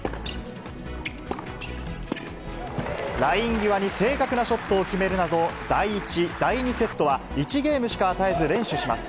ライン際に正確なショットを決めるなど、第１、第２セットは１ゲームしか与えず連取します。